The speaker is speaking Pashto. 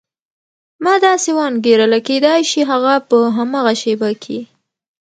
ما داسې وانګېرله کېدای شي هغه په هماغه شېبه کې.